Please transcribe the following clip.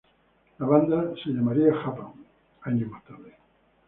La banda se llamaría Japan, años más tarde.